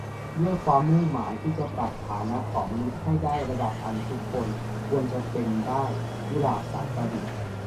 ด้วยความมุ่งหมายที่จะปรับฐานะของมนุษย์ให้ได้ระดับอันทุกคนควรจะเปนได้ - กุหลาบ สายประดิษฐ์